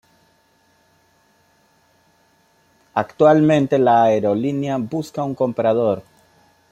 Actualmente la aerolínea Busca un comprador.